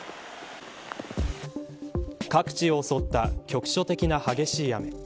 各地を襲った局所的な激しい雨。